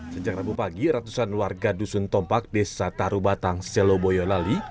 sejak rabu pagi ratusan warga dusun tompak desa tarubatang selo boyolali